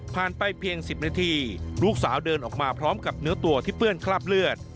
ไปเพียง๑๐นาทีลูกสาวเดินออกมาพร้อมกับเนื้อตัวที่เปื้อนคราบเลือด